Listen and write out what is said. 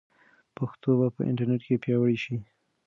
پښتو به په انټرنیټ کې پیاوړې شي.